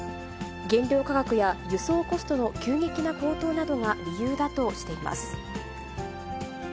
原料価格や輸送コストの急激な高騰などが理由だとしています。